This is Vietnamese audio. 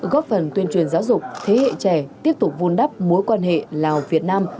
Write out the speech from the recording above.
góp phần tuyên truyền giáo dục thế hệ trẻ tiếp tục vun đắp mối quan hệ lào việt nam